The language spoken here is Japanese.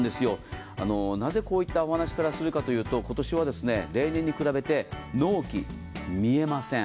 なぜこういったお話からするかというと、今年は例年に比べて納期、見えません。